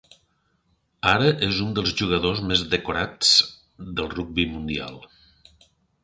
Ara és un dels jugadors més decorats del rugbi mundial.